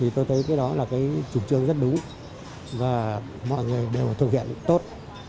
tôi thấy đó là chủ trương rất đúng và mọi người đều thực hiện tốt